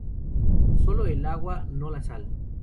Sólo el agua, no la sal.